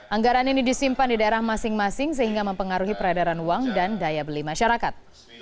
anggaran ini disimpan di daerah masing masing sehingga mempengaruhi peredaran uang dan daya beli masyarakat